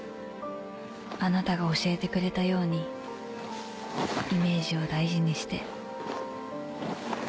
あなたが教えてくれたようにイメージを大事にして」。